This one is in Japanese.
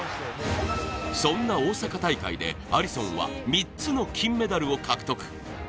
そんな大阪大会でアリソンは３つの金メダルを獲得。